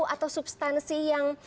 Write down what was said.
atau substansi yang